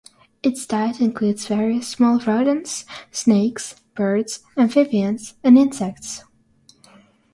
Its diet includes various small rodents, snakes, birds, amphibians, and insects.